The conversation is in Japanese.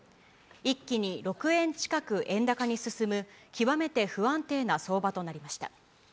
一気に６円近く円高に進む、極めて不安定な相場となりました。